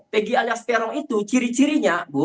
pegi alias terong itu ciri cirinya bu